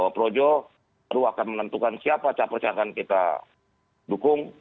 projo baru akan menentukan siapa capricaran kita dukung